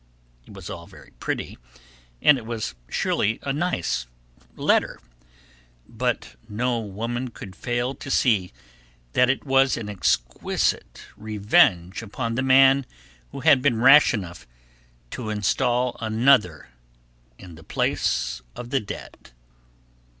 It was all very pretty and it was surely a nice letter, but no woman could fail to see that it was an exquisite revenge upon the man who had been rash enough to install another in the place of the dead.